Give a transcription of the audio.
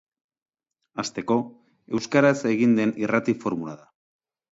Hasteko, euskaraz egiten den irrati formula da.